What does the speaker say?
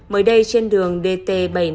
mới đây trên đường dt bảy trăm năm mươi chín